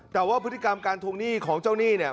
แต่ว่าพฤติกรรมการทวงหนี้ของเจ้าหนี้เนี่ย